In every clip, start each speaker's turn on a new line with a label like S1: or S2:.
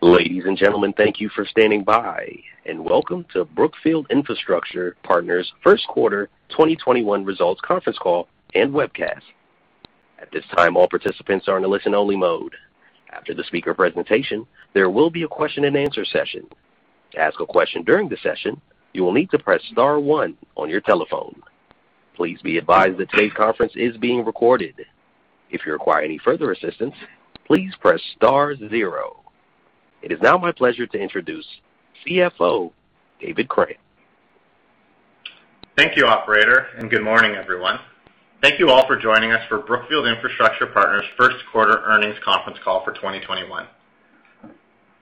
S1: Ladies and gentlemen, thank you for standing by, and welcome to Brookfield Infrastructure Partners' first quarter 2021 results conference call and webcast. It is now my pleasure to introduce CFO David Krant.
S2: Thank you, operator. Good morning, everyone. Thank you all for joining us for Brookfield Infrastructure Partners' first quarter earnings conference call for 2021.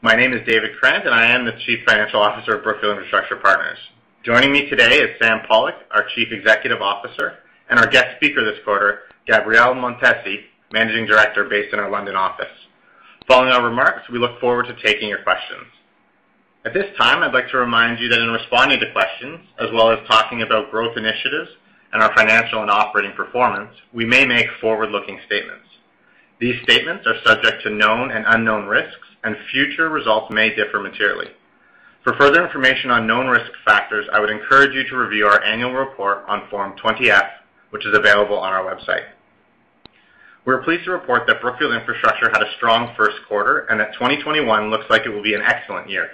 S2: My name is David Krant, and I am the Chief Financial Officer of Brookfield Infrastructure Partners. Joining me today is Sam Pollock, our Chief Executive Officer, and our guest speaker this quarter, Gabriele Montesi, Managing Director based in our London office. Following our remarks, we look forward to taking your questions. At this time, I'd like to remind you that in responding to questions, as well as talking about growth initiatives and our financial and operating performance, we may make forward-looking statements. These statements are subject to known and unknown risks, and future results may differ materially. For further information on known risk factors, I would encourage you to review our annual report on Form 20-F, which is available on our website. We are pleased to report that Brookfield Infrastructure Partners had a strong first quarter. That 2021 looks like it will be an excellent year.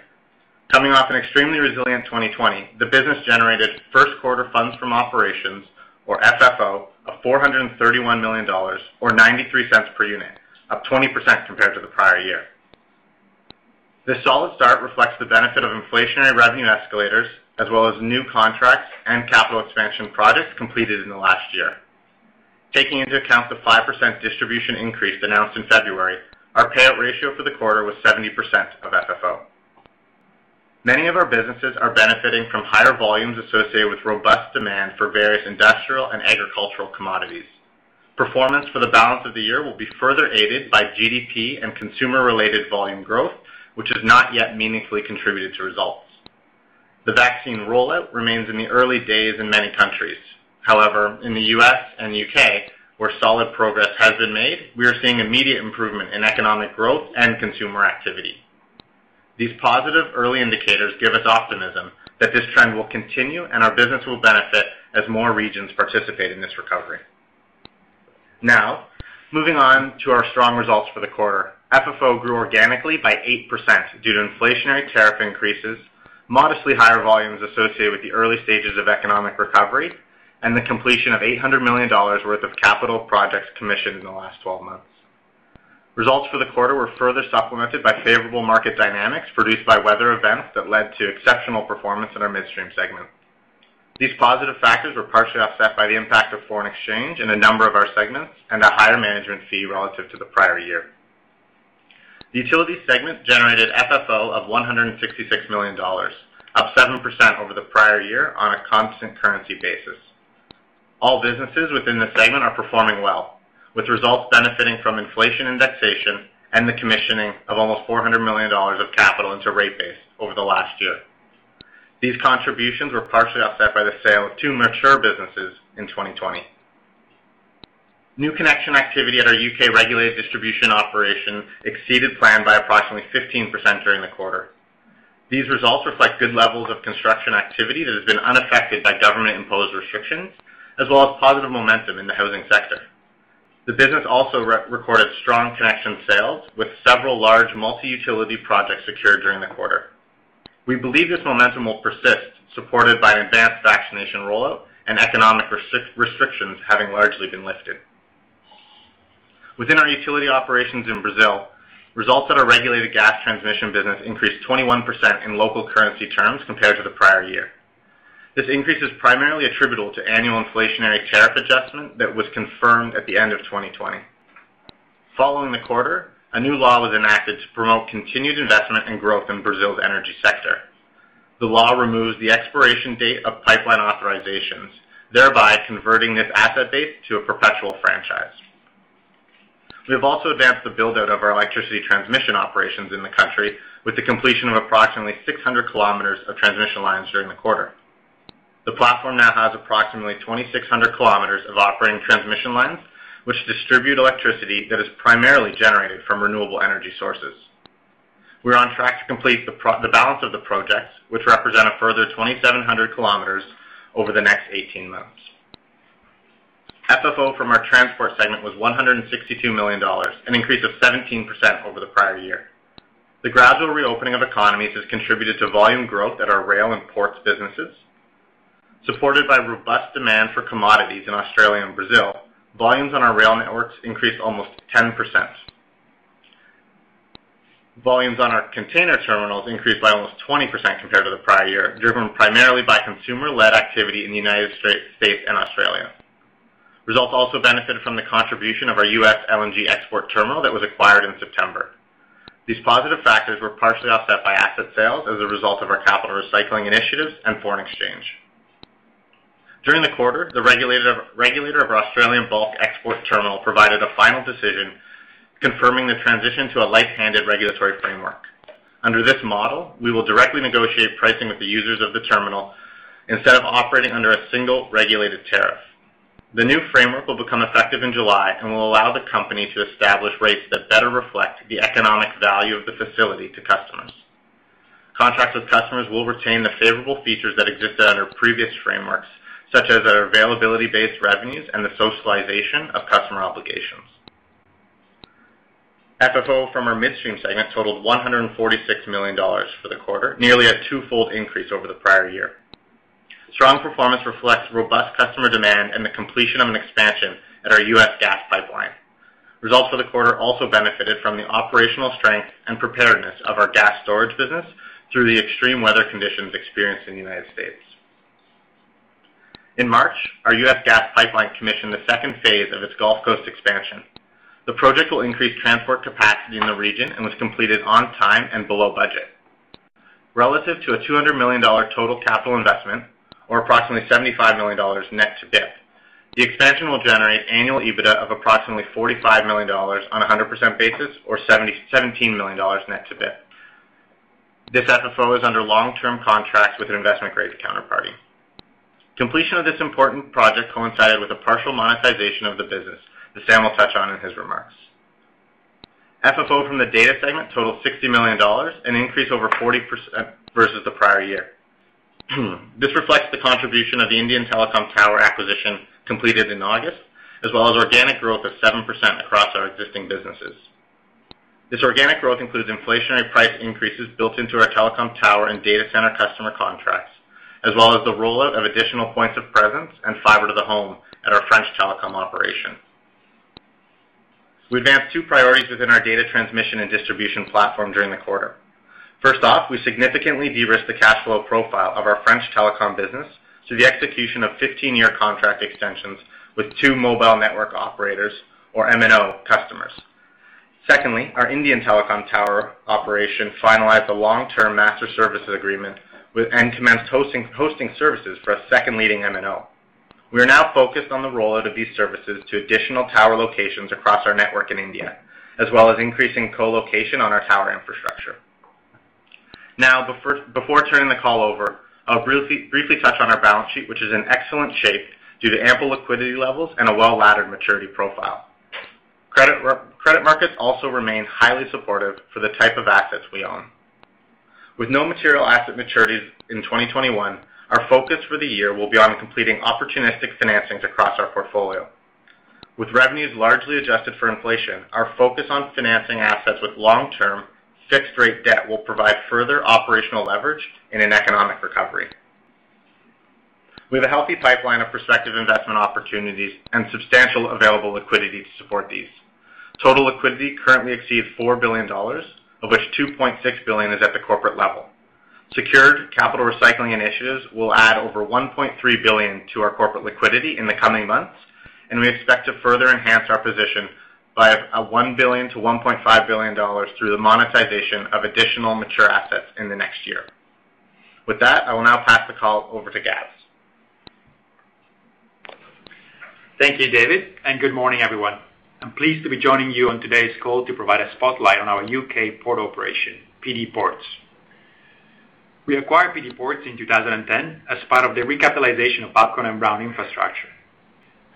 S2: Coming off an extremely resilient 2020, the business generated first quarter funds from operations, or FFO, of $431 million, or $0.93 per unit, up 20% compared to the prior year. This solid start reflects the benefit of inflationary revenue escalators, as well as new contracts and capital expansion projects completed in the last year. Taking into account the 5% distribution increase announced in February, our payout ratio for the quarter was 70% of FFO. Many of our businesses are benefiting from higher volumes associated with robust demand for various industrial and agricultural commodities. Performance for the balance of the year will be further aided by GDP and consumer-related volume growth, which has not yet meaningfully contributed to results. The vaccine rollout remains in the early days in many countries. However, in the U.S. and U.K., where solid progress has been made, we are seeing immediate improvement in economic growth and consumer activity. These positive early indicators give us optimism that this trend will continue, and our business will benefit as more regions participate in this recovery. Moving on to our strong results for the quarter. FFO grew organically by 8% due to inflationary tariff increases, modestly higher volumes associated with the early stages of economic recovery, and the completion of $800 million worth of capital projects commissioned in the last 12 months. Results for the quarter were further supplemented by favorable market dynamics produced by weather events that led to exceptional performance in our midstream segment. These positive factors were partially offset by the impact of foreign exchange in a number of our segments and a higher management fee relative to the prior year. The utility segment generated FFO of $166 million, up 7% over the prior year on a constant currency basis. All businesses within this segment are performing well, with results benefiting from inflation indexation and the commissioning of almost $400 million of capital into rate base over the last year. These contributions were partially offset by the sale of two mature businesses in 2020. New connection activity at our U.K. regulated distribution operation exceeded plan by approximately 15% during the quarter. These results reflect good levels of construction activity that has been unaffected by government-imposed restrictions as well as positive momentum in the housing sector. The business also recorded strong connection sales, with several large multi-utility projects secured during the quarter. We believe this momentum will persist, supported by an advanced vaccination rollout and economic restrictions having largely been lifted. Within our utility operations in Brazil, results at our regulated gas transmission business increased 21% in local currency terms compared to the prior year. This increase is primarily attributable to annual inflationary tariff adjustment that was confirmed at the end of 2020. Following the quarter, a new law was enacted to promote continued investment and growth in Brazil's energy sector. The law removes the expiration date of pipeline authorizations, thereby converting this asset base to a perpetual franchise. We have also advanced the build-out of our electricity transmission operations in the country with the completion of approximately 600 km of transmission lines during the quarter. The platform now has approximately 2,600 km of operating transmission lines, which distribute electricity that is primarily generated from renewable energy sources. We are on track to complete the balance of the projects, which represent a further 2,700 km over the next 18 months. FFO from our transport segment was $162 million, an increase of 17% over the prior year. The gradual reopening of economies has contributed to volume growth at our rail and ports businesses. Supported by robust demand for commodities in Australia and Brazil, volumes on our rail networks increased almost 10%. Volumes on our container terminals increased by almost 20% compared to the prior year, driven primarily by consumer-led activity in the United States and Australia. Results also benefited from the contribution of our U.S. LNG export terminal that was acquired in September. These positive factors were partially offset by asset sales as a result of our capital recycling initiatives and foreign exchange. During the quarter, the regulator of our Australian bulk export terminal provided a final decision confirming the transition to a light-handed regulatory framework. Under this model, we will directly negotiate pricing with the users of the terminal instead of operating under a single regulated tariff. The new framework will become effective in July and will allow the company to establish rates that better reflect the economic value of the facility to customers. Contracts with customers will retain the favorable features that existed under previous frameworks, such as our availability-based revenues and the socialization of customer obligations. FFO from our midstream segment totaled $146 million for the quarter, nearly a twofold increase over the prior year. Strong performance reflects robust customer demand and the completion of an expansion at our U.S. gas pipeline. Results for the quarter also benefited from the operational strength and preparedness of our gas storage business through the extreme weather conditions experienced in the United States. In March, our U.S. gas pipeline commissioned the second phase of its Gulf Coast expansion. The project will increase transport capacity in the region and was completed on time and below budget. Relative to a $200 million total capital investment, or approximately $75 million net to BIP, the expansion will generate annual EBITDA of approximately $45 million on 100% basis or $17 million net to BIP. This FFO is under long-term contracts with an investment-grade counterparty. Completion of this important project coincided with a partial monetization of the business that Sam will touch on in his remarks. FFO from the data segment totaled $60 million, an increase over 40% versus the prior year. This reflects the contribution of the Indian telecom tower acquisition completed in August, as well as organic growth of 7% across our existing businesses. This organic growth includes inflationary price increases built into our telecom tower and data center customer contracts, as well as the rollout of additional points of presence and fiber to the home at our French telecom operation. We advanced two priorities within our data transmission and distribution platform during the quarter. First off, we significantly de-risked the cash flow profile of our French telecom business through the execution of 15-year contract extensions with two mobile network operators or MNO customers. Secondly, our Indian telecom tower operation finalized a long-term master services agreement and commenced hosting services for a second leading MNO. We are now focused on the rollout of these services to additional tower locations across our network in India, as well as increasing co-location on our tower infrastructure. Now, before turning the call over, I'll briefly touch on our balance sheet, which is in excellent shape due to ample liquidity levels and a well-laddered maturity profile. Credit markets also remain highly supportive for the type of assets we own. With no material asset maturities in 2021, our focus for the year will be on completing opportunistic financings across our portfolio. With revenues largely adjusted for inflation, our focus on financing assets with long-term fixed rate debt will provide further operational leverage in an economic recovery. We have a healthy pipeline of prospective investment opportunities and substantial available liquidity to support these. Total liquidity currently exceeds $4 billion, of which $2.6 billion is at the corporate level. Secured capital recycling initiatives will add over $1.3 billion to our corporate liquidity in the coming months, and we expect to further enhance our position by a $1 billion-$1.5 billion through the monetization of additional mature assets in the next year. With that, I will now pass the call over to Gabs.
S3: Thank you, David, and good morning, everyone. I'm pleased to be joining you on today's call to provide a spotlight on our U.K. port operation, PD Ports. We acquired PD Ports in 2010 as part of the recapitalization of Babcock & Brown Infrastructure.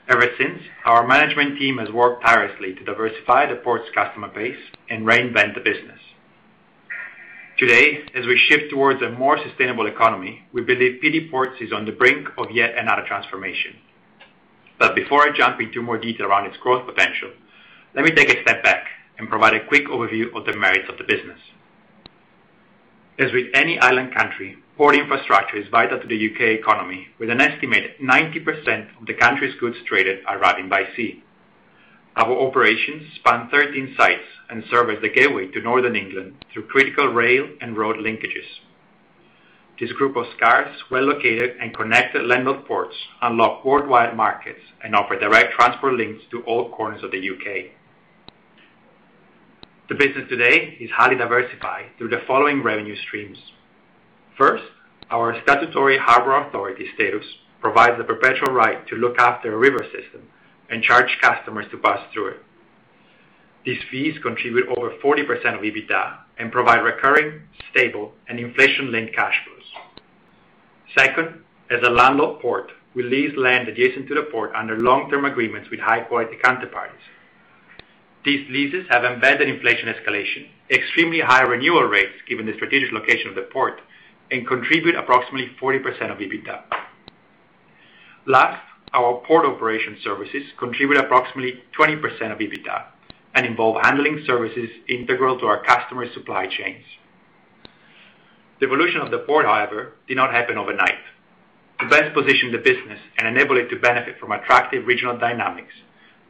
S3: Ever since, our management team has worked tirelessly to diversify the port's customer base and reinvent the business. Today, as we shift towards a more sustainable economy, we believe PD Ports is on the brink of yet another transformation. Before I jump into more detail around its growth potential, let me take a step back and provide a quick overview of the merits of the business. As with any island country, port infrastructure is vital to the U.K. economy, with an estimated 90% of the country's goods traded arriving by sea. Our operations span 13 sites and service the gateway to Northern England through critical rail and road linkages. This group of scarce, well-located, and connected landlord ports unlock worldwide markets and offer direct transport links to all corners of the U.K. The business today is highly diversified through the following revenue streams. First, our Statutory Harbour Authority status provides the perpetual right to look after a river system and charge customers to pass through it. These fees contribute over 40% of EBITDA and provide recurring, stable, and inflation-linked cash flows. Second, as a landlord port, we lease land adjacent to the port under long-term agreements with high-quality counterparties. These leases have embedded inflation escalation, extremely high renewal rates, given the strategic location of the port, and contribute approximately 40% of EBITDA. Our port operation services contribute approximately 20% of EBITDA and involve handling services integral to our customer supply chains. The evolution of the port, however, did not happen overnight. To best position the business and enable it to benefit from attractive regional dynamics,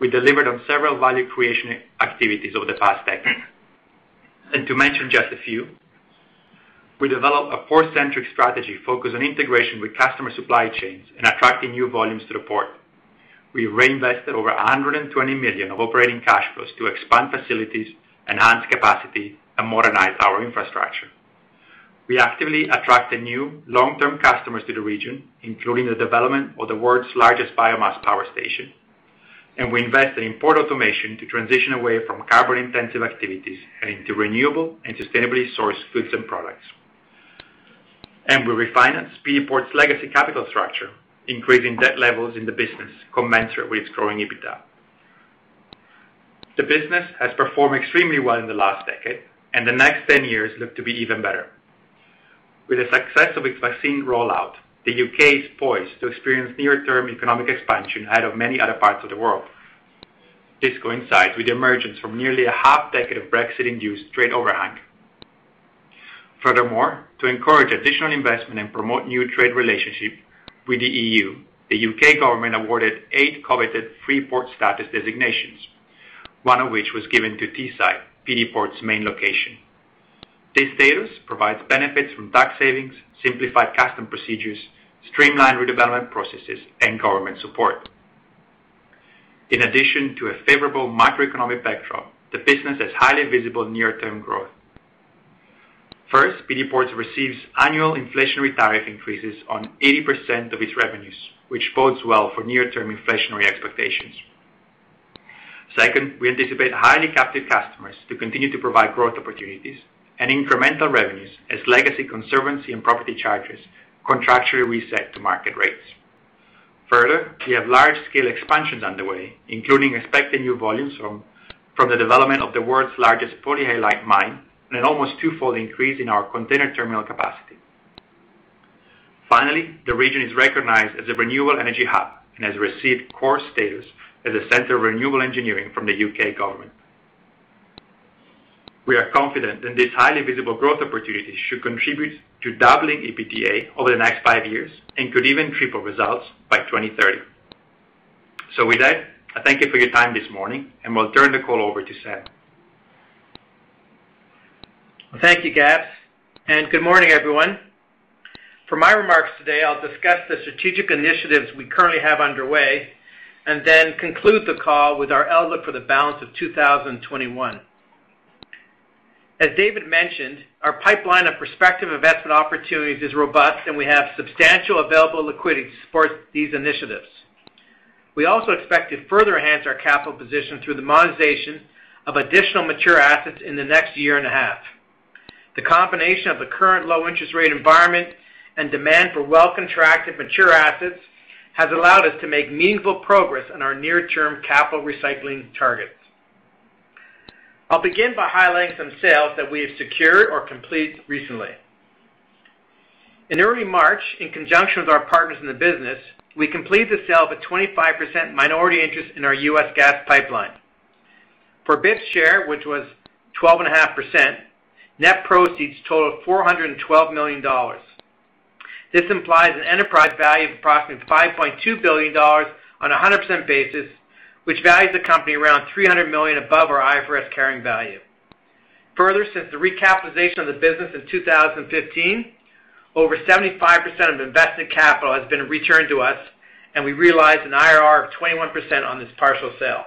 S3: we delivered on several value creation activities over the past decade. To mention just a few, we developed a port-centric strategy focused on integration with customer supply chains and attracting new volumes to the port. We reinvested over $120 million of operating cash flows to expand facilities, enhance capacity, and modernize our infrastructure. We actively attracted new long-term customers to the region, including the development of the world's largest biomass power station, and we invested in port automation to transition away from carbon-intensive activities and into renewable and sustainably sourced goods and products. We refinanced PD Ports legacy capital structure, increasing debt levels in the business commensurate with its growing EBITDA. The business has performed extremely well in the last decade, and the next 10 years look to be even better. With the success of its vaccine rollout, the U.K. is poised to experience near-term economic expansion ahead of many other parts of the world. This coincides with the emergence from nearly a half-decade of Brexit-induced trade overhang. Furthermore, to encourage additional investment and promote new trade relationships with the EU, the U.K. government awarded eight coveted free port status designations, one of which was given to Teesside, PD Ports main location. This status provides benefits from tax savings, simplified custom procedures, streamlined redevelopment processes, and government support. In addition to a favorable macroeconomic backdrop, the business has highly visible near-term growth. First, PD Ports receives annual inflationary tariff increases on 80% of its revenues, which bodes well for near-term inflationary expectations. Second, we anticipate highly captive customers to continue to provide growth opportunities and incremental revenues as legacy conservancy and property charges contractually reset to market rates. Further, we have large-scale expansions underway, including expected new volumes from the development of the world's largest polyhalite mine and an almost twofold increase in our container terminal capacity. Finally, the region is recognized as a renewable energy hub and has received core status as a center of renewable engineering from the U.K. government. We are confident that these highly visible growth opportunities should contribute to doubling EBITDA over the next five years and could even triple results by 2030. With that, I thank you for your time this morning, and will turn the call over to Sam.
S4: Thank you, Gabs, and good morning, everyone. For my remarks today, I'll discuss the strategic initiatives we currently have underway and then conclude the call with our outlook for the balance of 2021. As David mentioned, our pipeline of prospective investment opportunities is robust, and we have substantial available liquidity to support these initiatives. We also expect to further enhance our capital position through the monetization of additional mature assets in the next year and a half. The combination of the current low interest rate environment and demand for well-contracted mature assets has allowed us to make meaningful progress on our near-term capital recycling targets. I'll begin by highlighting some sales that we have secured or completed recently. In early March, in conjunction with our partners in the business, we completed the sale of a 25% minority interest in our U.S. gas pipeline. For BIP's share, which was 12.5%, net proceeds totaled $412 million. This implies an enterprise value of approximately $5.2 billion on a 100% basis, which values the company around $300 million above our IFRS carrying value. Since the recapitalization of the business in 2015, over 75% of invested capital has been returned to us, and we realized an IRR of 21% on this partial sale.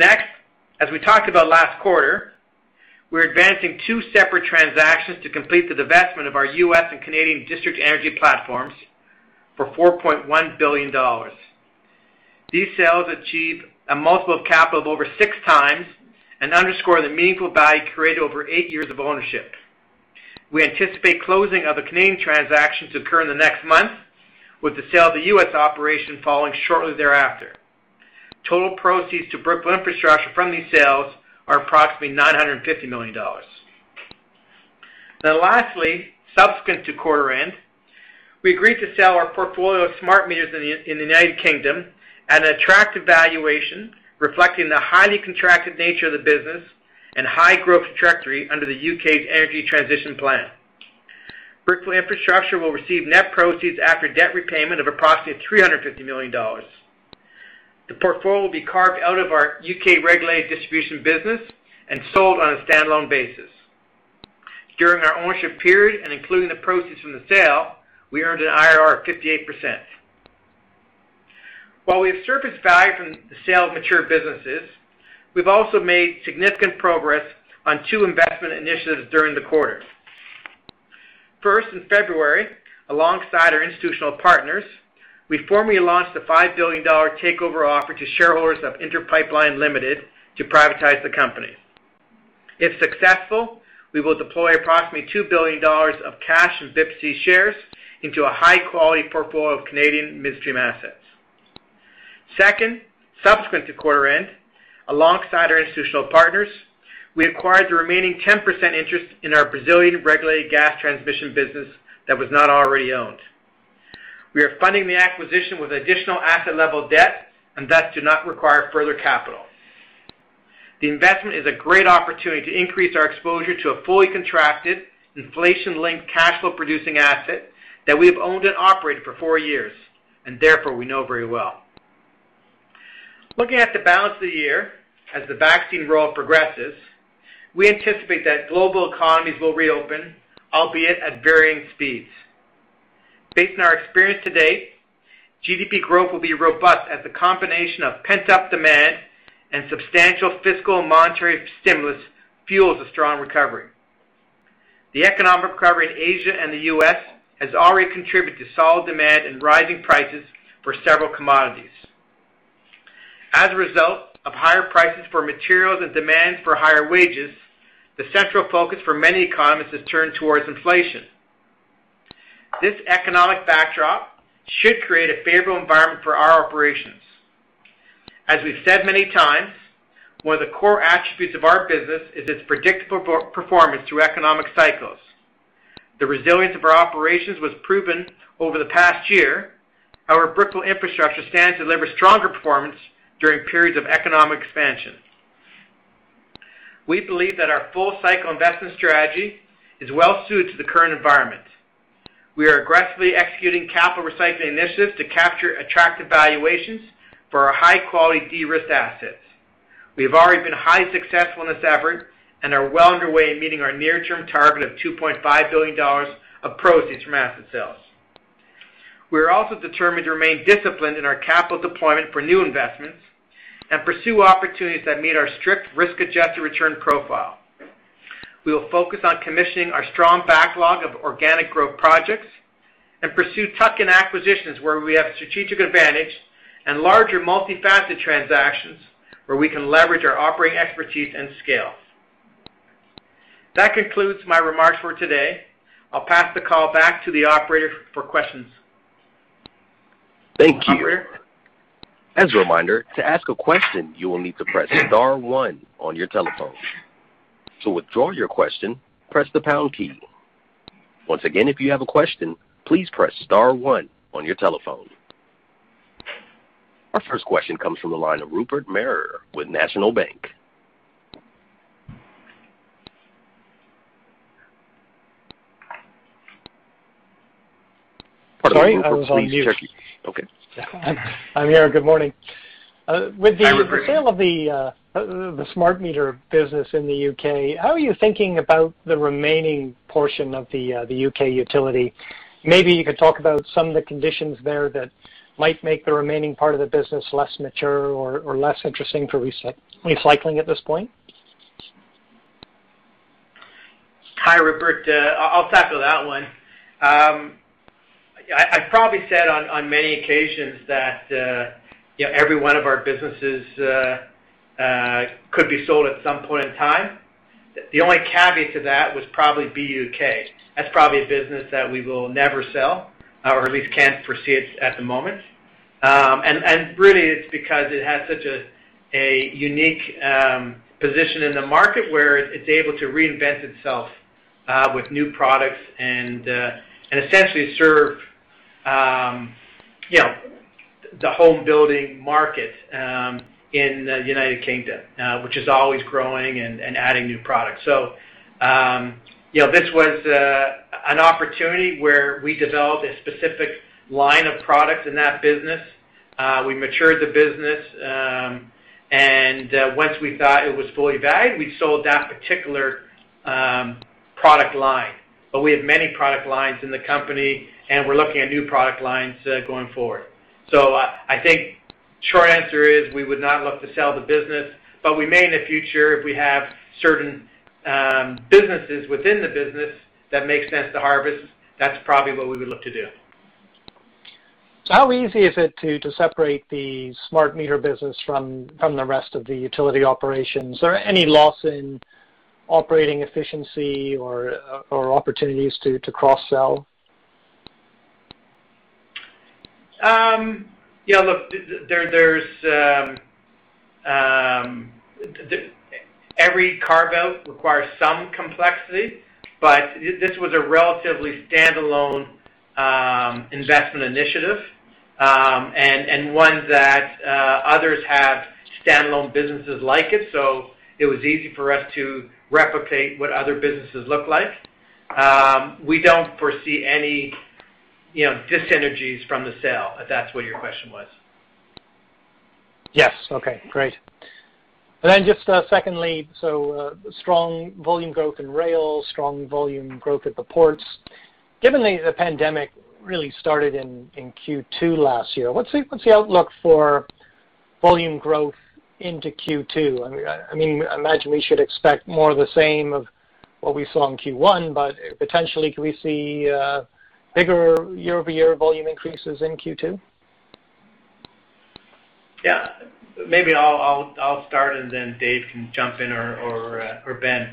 S4: As we talked about last quarter, we're advancing two separate transactions to complete the divestment of our U.S. and Canadian district energy platforms for $4.1 billion. These sales achieve a multiple of capital of over 6x and underscore the meaningful value created over eight years of ownership. We anticipate closing of the Canadian transactions to occur in the next month, with the sale of the U.S. operation following shortly thereafter. Total proceeds to Brookfield Infrastructure from these sales are approximately $950 million. Lastly, subsequent to quarter end, we agreed to sell our portfolio of smart meters in the United Kingdom at an attractive valuation, reflecting the highly contracted nature of the business and high growth trajectory under the U.K.'s energy transition plan. Brookfield Infrastructure will receive net proceeds after debt repayment of approximately $350 million. The portfolio will be carved out of our U.K. regulated distribution business and sold on a standalone basis. During our ownership period and including the proceeds from the sale, we earned an IRR of 58%. While we have surfaced value from the sale of mature businesses, we've also made significant progress on two investment initiatives during the quarter. First, in February, alongside our institutional partners, we formally launched a $5 billion takeover offer to shareholders of Inter Pipeline Limited to privatize the company. If successful, we will deploy approximately $2 billion of cash and BIPC shares into a high-quality portfolio of Canadian midstream assets. Second, subsequent to quarter end, alongside our institutional partners, we acquired the remaining 10% interest in our Brazilian regulated gas transmission business that was not already owned. We are funding the acquisition with additional asset-level debt and thus do not require further capital. The investment is a great opportunity to increase our exposure to a fully contracted, inflation-linked cash flow producing asset that we have owned and operated for four years and therefore we know very well. Looking at the balance of the year, as the vaccine rollout progresses, we anticipate that global economies will reopen, albeit at varying speeds. Based on our experience to date, GDP growth will be robust as the combination of pent-up demand and substantial fiscal and monetary stimulus fuels a strong recovery. The economic recovery in Asia and the U.S. has already contributed to solid demand and rising prices for several commodities. As a result of higher prices for materials and demands for higher wages, the central focus for many economists has turned towards inflation. This economic backdrop should create a favorable environment for our operations. As we've said many times, one of the core attributes of our business is its predictable performance through economic cycles. The resilience of our operations was proven over the past year. Our Brookfield Infrastructure stands to deliver stronger performance during periods of economic expansion. We believe that our full-cycle investment strategy is well suited to the current environment. We are aggressively executing capital recycling initiatives to capture attractive valuations for our high-quality de-risk assets. We have already been highly successful in this effort and are well underway in meeting our near-term target of $2.5 billion of proceeds from asset sales. We are also determined to remain disciplined in our capital deployment for new investments and pursue opportunities that meet our strict risk-adjusted return profile. We will focus on commissioning our strong backlog of organic growth projects and pursue tuck-in acquisitions where we have strategic advantage and larger multi-faceted transactions where we can leverage our operating expertise and scale. That concludes my remarks for today. I'll pass the call back to the operator for questions.
S1: Thank you.
S4: Operator?
S1: As a reminder, to ask a question, you will need to press star one on your telephone. To withdraw your question, press the pound key. Once again, if you have a question, please press star one on your telephone. Our first question comes from the line of Rupert Merer with National Bank.
S5: Sorry, I was on mute.
S1: Okay.
S5: I'm here. Good morning.
S4: Hi, Rupert.
S5: With the sale of the smart meter business in the U.K., how are you thinking about the remaining portion of the U.K. utility? Maybe you could talk about some of the conditions there that might make the remaining part of the business less mature or less interesting for recycling at this point.
S4: Hi, Rupert. I'll tackle that one. I've probably said on many occasions that every one of our businesses could be sold at some point in time. The only caveat to that was probably BUUK. That's probably a business that we will never sell or at least can't foresee it at the moment. Really, it's because it has such a unique position in the market where it's able to reinvent itself with new products and essentially serve the home building market in the United Kingdom, which is always growing and adding new products. This was an opportunity where we developed a specific line of products in that business. We matured the business, and once we thought it was fully valued, we sold that particular product line. We have many product lines in the company, and we're looking at new product lines going forward. I think short answer is we would not look to sell the business, but we may in the future if we have certain businesses within the business that make sense to harvest. That's probably what we would look to do.
S5: How easy is it to separate the smart meter business from the rest of the utility operations? Is there any loss in operating efficiency or opportunities to cross-sell?
S4: Look, every carve-out requires some complexity, but this was a relatively standalone investment initiative, and one that others have standalone businesses like it. It was easy for us to replicate what other businesses look like. We don't foresee any dis-synergies from the sale, if that's what your question was.
S5: Yes. Okay, great. Just secondly, strong volume growth in rail, strong volume growth at the ports. Given the pandemic really started in Q2 last year, what's the outlook for volume growth into Q2? I imagine we should expect more of the same of what we saw in Q1, potentially, could we see bigger year-over-year volume increases in Q2?
S4: Yeah. Maybe I'll start and then Dave can jump in or Ben.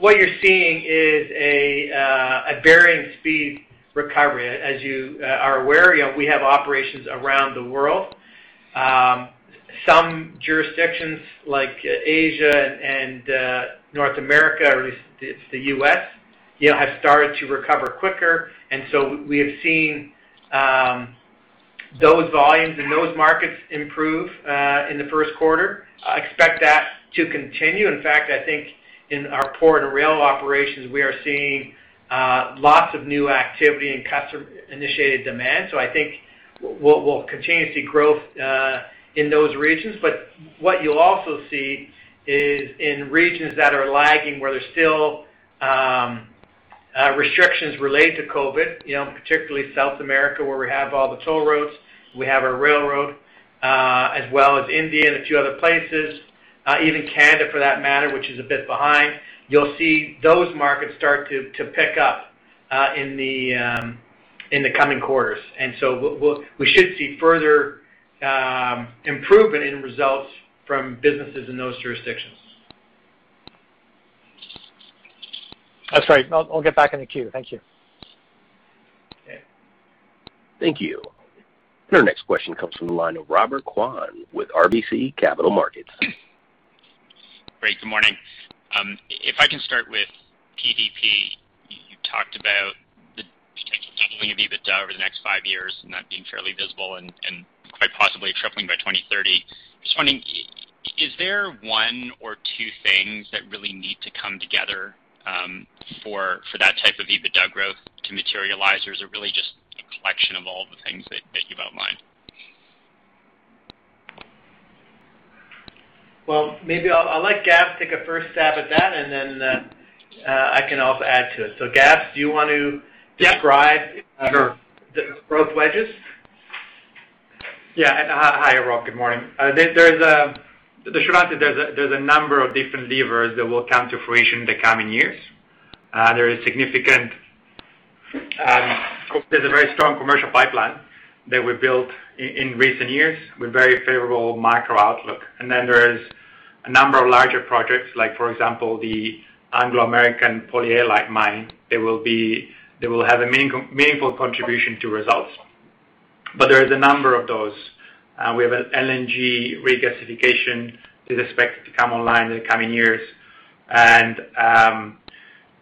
S4: What you're seeing is a varying speed recovery. As you are aware, we have operations around the world. Some jurisdictions like Asia and North America, or at least it's the U.S., have started to recover quicker. We have seen those volumes in those markets improve in the first quarter. I expect that to continue. In fact, I think in our port and rail operations, we are seeing lots of new activity in customer-initiated demand. I think we'll continue to see growth in those regions. What you'll also see is in regions that are lagging, where there's still restrictions related to COVID, particularly South America, where we have all the toll roads, we have our railroads as well as India and a few other places, even Canada for that matter, which is a bit behind. You'll see those markets start to pick up in the coming quarters. We should see further improvement in results from businesses in those jurisdictions.
S5: That's right. I'll get back in the queue. Thank you.
S4: Okay.
S1: Thank you. Our next question comes from the line of Robert Kwan with RBC Capital Markets.
S6: Great. Good morning. If I can start with PDP, you talked about the potential doubling of EBITDA over the next five years and that being fairly visible and quite possibly tripling by 2030. Just wondering, is there one or two things that really need to come together for that type of EBITDA growth to materialize, or is it really just a collection of all the things that you've outlined?
S4: Well, maybe I'll let Gabs take a first stab at that and then I can also add to it. Gabs, do you want to?
S3: Yeah, sure.
S4: The growth wedges?
S3: Yeah. Hi, Rob. Good morning. There's a number of different levers that will come to fruition in the coming years. There's a very strong commercial pipeline that we've built in recent years with very favorable micro outlook. There's a number of larger projects like, for example, the Anglo American polyhalite mine. They will have a meaningful contribution to results. There is a number of those. We have an LNG regasification that is expected to come online in the coming years.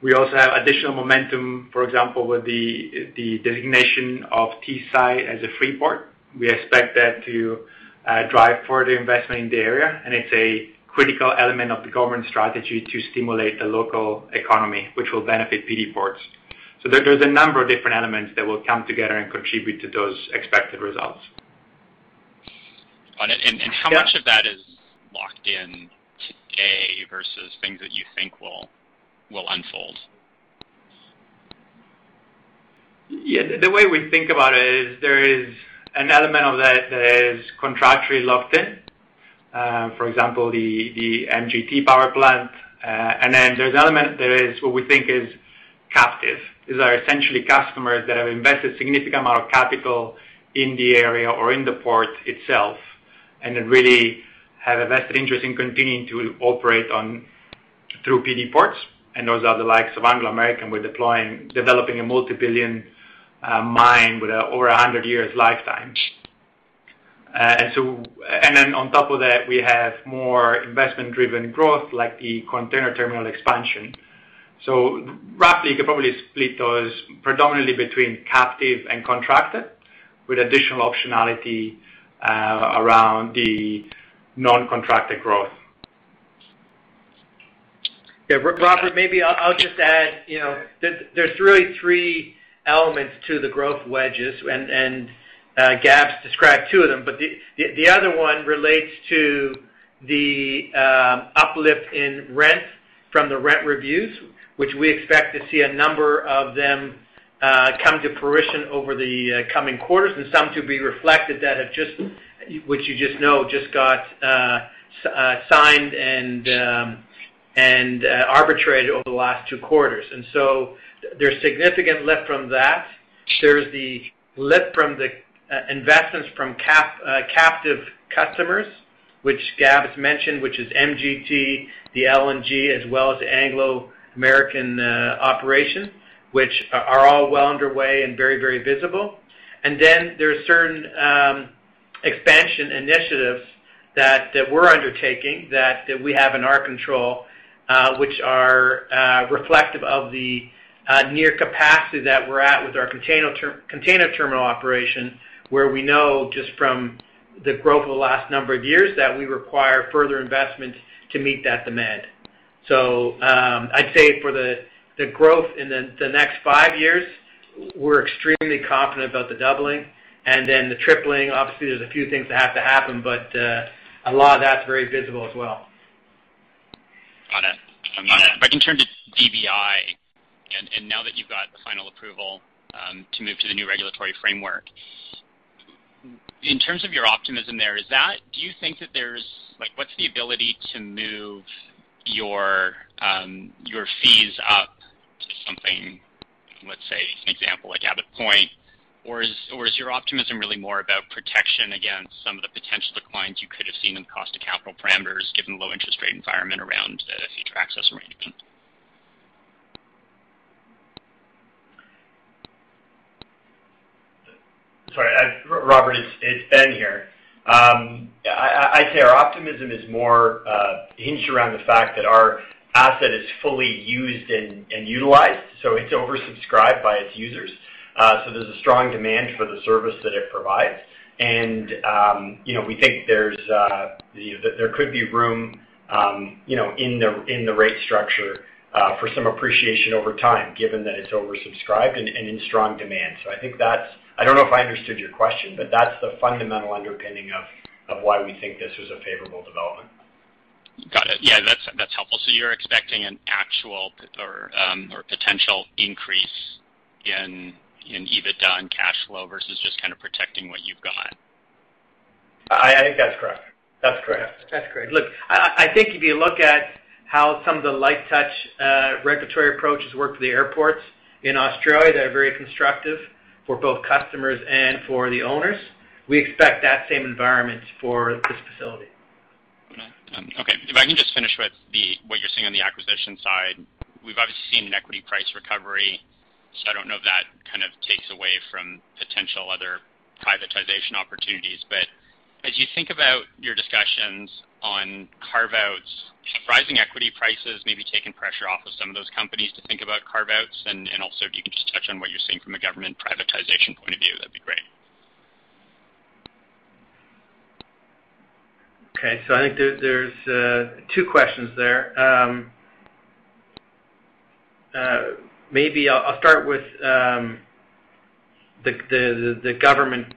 S3: We also have additional momentum, for example, with the designation of Teesside as a free port. We expect that to drive further investment in the area, and it's a critical element of the government strategy to stimulate the local economy, which will benefit PD Ports. There's a number of different elements that will come together and contribute to those expected results.
S6: Got it.
S3: Yes.
S6: How much of that is locked in today versus things that you think will unfold?
S3: The way we think about it is there is an element of that that is contractually locked in. For example, MGT power plant. There's an element that is what we think is captive. These are essentially customers that have invested significant amount of capital in the area or in the port itself, really have a vested interest in continuing to operate through PD Ports. Those are the likes of Anglo American, who are developing a multi-billion mine with over 100 years lifetime. On top of that, we have more investment-driven growth, like the container terminal expansion. Roughly, you could probably split those predominantly between captive and contracted with additional optionality around the non-contracted growth.
S4: Yeah. Robert, maybe I'll just add, there's really three elements to the growth wedges and Gabs described two of them. The other one relates to the uplift in rent from the rent reviews, which we expect to see a number of them come to fruition over the coming quarters and some to be reflected that which you know just got signed and arbitrated over the last two quarters. There's significant lift from that. There's the lift from the investments from captive customers, which Gabs has mentioned, which is MGT, the LNG, as well as the Anglo American operation, which are all well underway and very visible. There are certain expansion initiatives that we're undertaking that we have in our control, which are reflective of the near capacity that we're at with our container terminal operation, where we know just from the growth of the last number of years that we require further investment to meet that demand. I'd say for the growth in the next five years, we're extremely confident about the doubling and then the tripling. There's a few things that have to happen, but a lot of that's very visible as well.
S6: Got it. If I can turn to DBI, and now that you've got the final approval to move to the new regulatory framework. In terms of your optimism there, what's the ability to move your fees up to something, let's say an example like Abbot Point? Is your optimism really more about protection against some of the potential declines you could have seen in cost of capital parameters given the low interest rate environment around a future access arrangement?
S7: Sorry, Robert. It's Ben here. I'd say our optimism is more hinged around the fact that our asset is fully used and utilized. It's oversubscribed by its users. There's a strong demand for the service that it provides. We think there could be room in the rate structure for some appreciation over time given that it's oversubscribed and in strong demand. I don't know if I understood your question, that's the fundamental underpinning of why we think this was a favorable development.
S6: Got it. Yeah, that's helpful. You're expecting an actual or potential increase in EBITDA and cash flow versus just protecting what you've got?
S7: I think that's correct.
S4: That's correct. Look, I think if you look at how some of the light-touch regulatory approaches work for the airports in Australia, they're very constructive for both customers and for the owners. We expect that same environment for this facility.
S6: Okay. If I can just finish with what you're seeing on the acquisition side, we've obviously seen an equity price recovery, so I don't know if that kind of takes away from potential other privatization opportunities. As you think about your discussions on carve-outs, rising equity prices may be taking pressure off of some of those companies to think about carve-outs. Also, if you can just touch on what you're seeing from a government privatization point of view, that'd be great.
S4: Okay. I think there's two questions there. Maybe I'll start with the government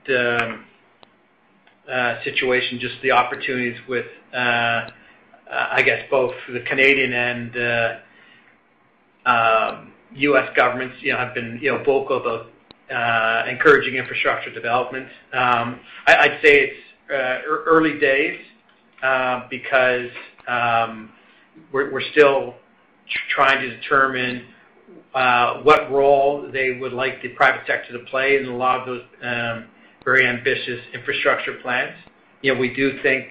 S4: situation, just the opportunities with, I guess, both the Canadian and U.S. governments have been vocal about encouraging infrastructure development. I'd say it's early days because we're still trying to determine what role they would like the private sector to play in a lot of those very ambitious infrastructure plans. We do think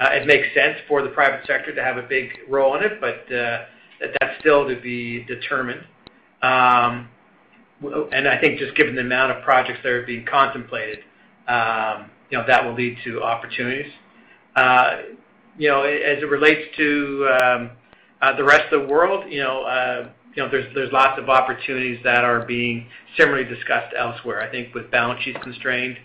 S4: it makes sense for the private sector to have a big role in it, but that's still to be determined. I think just given the amount of projects that are being contemplated, that will lead to opportunities. As it relates to the rest of the world, there's lots of opportunities that are being similarly discussed elsewhere. I think with balance sheets constrained,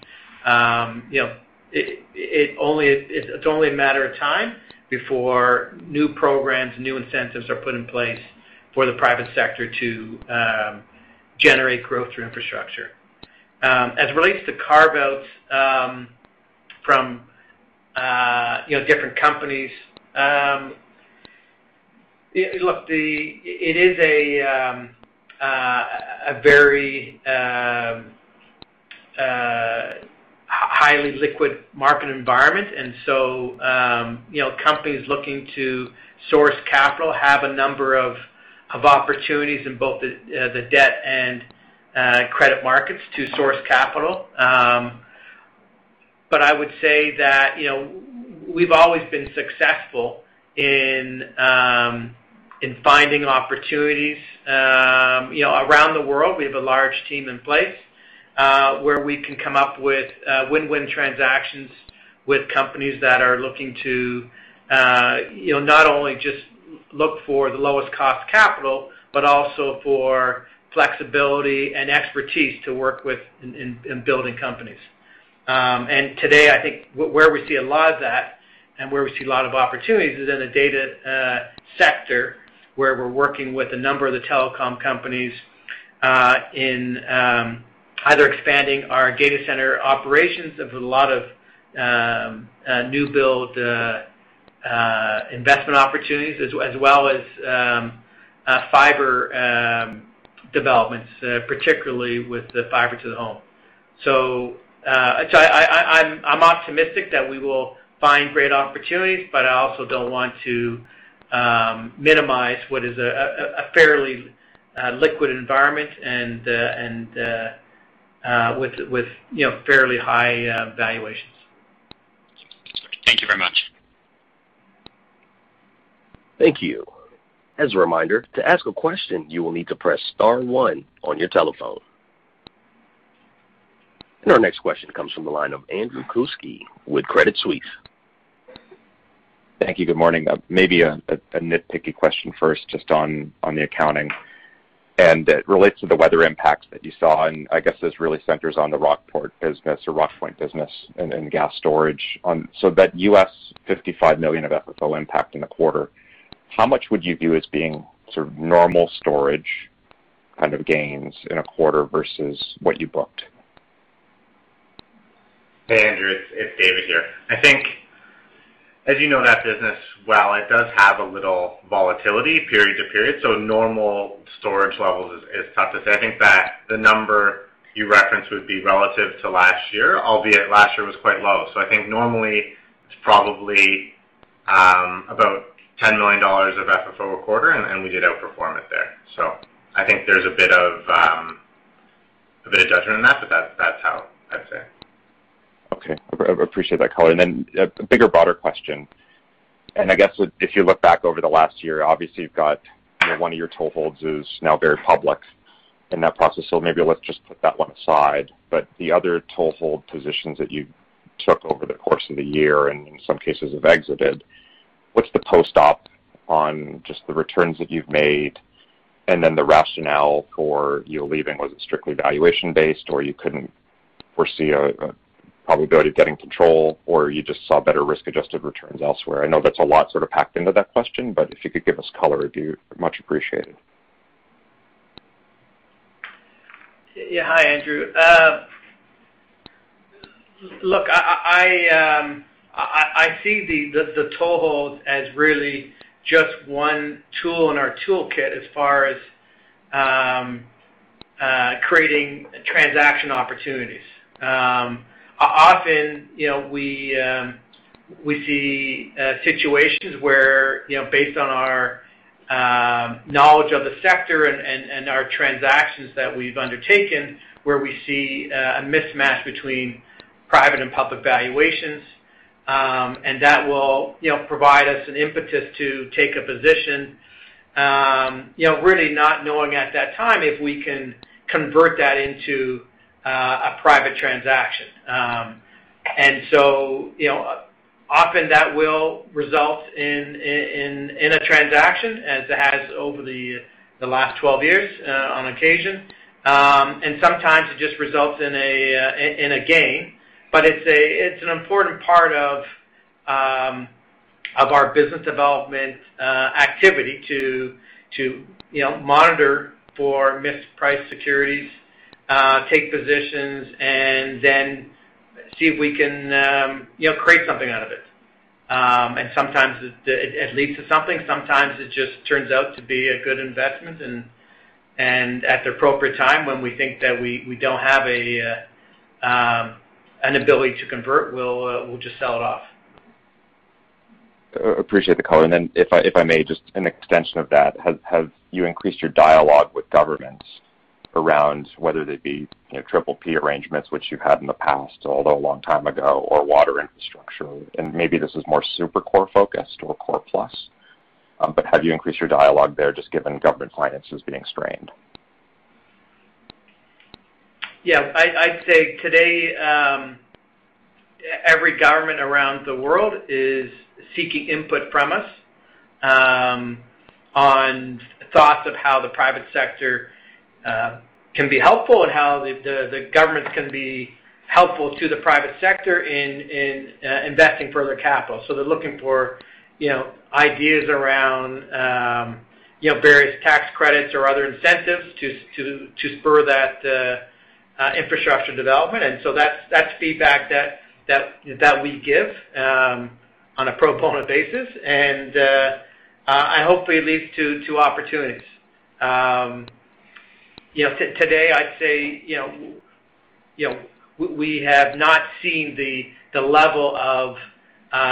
S4: it's only a matter of time before new programs, new incentives are put in place for the private sector to generate growth through infrastructure. As it relates to carve-outs from different companies. Look, it is a very highly liquid market environment, and so companies looking to source capital have a number of opportunities in both the debt and credit markets to source capital. But I would say that we've always been successful in finding opportunities around the world. We have a large team in place where we can come up with win-win transactions with companies that are looking to not only just look for the lowest cost capital, but also for flexibility and expertise to work in building companies. Today, I think where we see a lot of that and where we see a lot of opportunities is in the data sector, where we're working with a number of the telecom companies in either expanding our data center operations. There's a lot of new build investment opportunities, as well as fiber developments, particularly with the fiber to the home. I'm optimistic that we will find great opportunities, but I also don't want to minimize what is a fairly liquid environment and with fairly high valuations.
S6: Thank you very much.
S1: Thank you. As a reminder, to ask a question, you will need to press star one on your telephone. Our next question comes from the line of Andrew Kuske with Credit Suisse.
S8: Thank you. Good morning. Maybe a nitpicky question first, just on the accounting, it relates to the weather impacts that you saw, I guess this really centers on the Rockpoint business and gas storage. That $55 million of FFO impact in the quarter, how much would you view as being sort of normal storage kind of gains in a quarter versus what you booked?
S2: Hey, Andrew, it's David here. I think as you know that business well, it does have a little volatility period to period. Normal storage levels is tough to say. I think that the number you referenced would be relative to last year, albeit last year was quite low. I think normally it's probably about $10 million of FFO a quarter, and we did outperform it there. I think there's a bit of judgment in that, but that's how I'd say.
S8: Okay. I appreciate that color. A bigger, broader question, I guess if you look back over the last year, obviously you've got one of your toeholds is now very public in that process. Maybe let's just put that one aside. The other toehold positions that you took over the course of the year, and in some cases have exited, what's the post-op on just the returns that you've made and then the rationale for you leaving? Was it strictly valuation-based, or you couldn't foresee a probability of getting control, or you just saw better risk-adjusted returns elsewhere? I know that's a lot sort of packed into that question, if you could give us color, it'd be much appreciated.
S4: Yeah. Hi, Andrew. Look, I see the toeholds as really just one tool in our toolkit as far as creating transaction opportunities. Often, we see situations where, based on our knowledge of the sector and our transactions that we've undertaken, where we see a mismatch between private and public valuations. That will provide us an impetus to take a position, really not knowing at that time if we can convert that into a private transaction. Often that will result in a transaction, as it has over the last 12 years, on occasion. Sometimes it just results in a gain. It's an important part of our business development activity to monitor for mispriced securities, take positions, and then see if we can create something out of it. Sometimes it leads to something. Sometimes it just turns out to be a good investment. At the appropriate time, when we think that we don't have an ability to convert, we'll just sell it off.
S8: Appreciate the color. Then if I may, just an extension of that, have you increased your dialogue with governments around whether they be PPP arrangements, which you've had in the past, although a long time ago, or water infrastructure? Maybe this is more super core focused or core plus. Have you increased your dialogue there just given government finances being strained?
S4: Yeah. I'd say today, every government around the world is seeking input from us on thoughts of how the private sector can be helpful and how the governments can be helpful to the private sector in investing further capital. They're looking for ideas around various tax credits or other incentives to spur that infrastructure development. That's feedback that we give on a pro bono basis. Hopefully it leads to opportunities. Today I'd say we have not seen the level of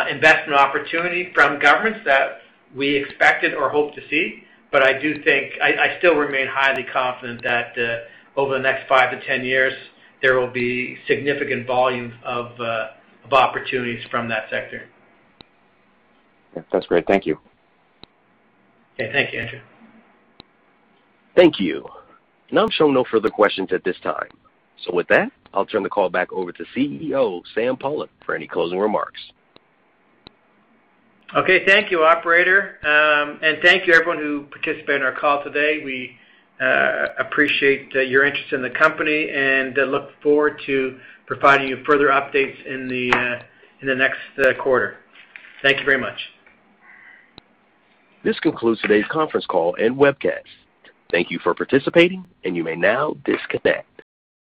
S4: investment opportunity from governments that we expected or hoped to see. I still remain highly confident that over the next 5 to 10 years, there will be significant volumes of opportunities from that sector.
S8: That's great. Thank you.
S4: Okay. Thank you, Andrew.
S1: Thank you. I'm showing no further questions at this time. With that, I'll turn the call back over to CEO, Sam Pollock, for any closing remarks.
S4: Okay. Thank you, operator. Thank you everyone who participated in our call today. We appreciate your interest in the company and look forward to providing you further updates in the next quarter. Thank you very much.
S1: This concludes today's conference call and webcast. Thank you for participating, and you may now disconnect.